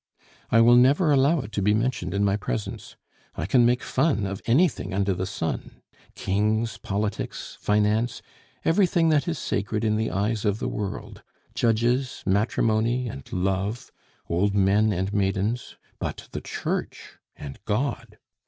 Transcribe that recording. "I will never allow it to be mentioned in my presence. I can make fun of anything under the sun: Kings, politics, finance, everything that is sacred in the eyes of the world judges, matrimony, and love old men and maidens. But the Church and God!